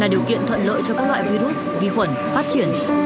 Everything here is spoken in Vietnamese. điều kiện thuận lợi cho các loại virus vi khuẩn phát triển